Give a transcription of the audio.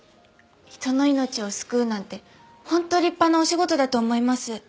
人の命を救うなんてホント立派なお仕事だと思います。